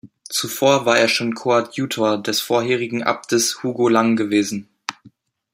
Zuvor war er schon Koadjutor des vorherigen Abtes Hugo Lang gewesen.